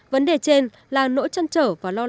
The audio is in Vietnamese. vấn đề trên là nỗi chăn trở và lo